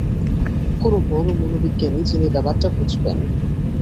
কোনো বড় মনোবিজ্ঞানী, যিনি ব্যাপারটা বুঝবেন।